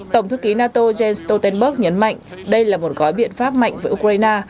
tổng thư ký nato jens stoltenberg nhấn mạnh đây là một gói biện pháp mạnh với ukraine